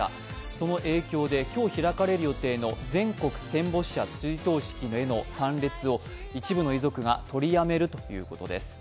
その影響で今日開かれる予定の全国戦没者追悼式への参列を一部の遺族が取りやめるということです。